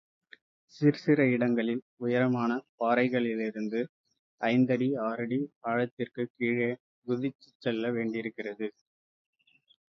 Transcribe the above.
சிற்சில இடங்களில் உயரமான பாறைகளிலிருந்து ஐந்தடி, ஆறடி ஆழத்திற்குக் கீழே குதித்துச்செல்ல வேண்டியிருந்தது.